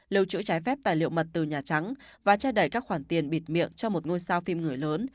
lưu trữ trái phép tài liệu mật từ nhà trắng và che đẩy các khoản tiền bịt miệng cho một ngôi sao phim người lớn